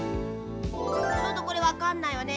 ちょっとこれわかんないわね。